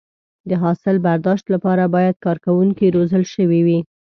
د حاصل برداشت لپاره باید کارکوونکي روزل شوي وي.